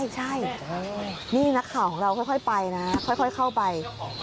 ใช่นี่นักข่าวของเราค่อยไปนะค่อยเข้าไป